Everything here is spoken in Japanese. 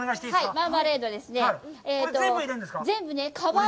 マーマレードですね、これは。